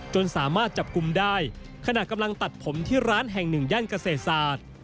สามารถจับกลุ่มได้ขณะกำลังตัดผมที่ร้านแห่งหนึ่งย่านเกษตรศาสตร์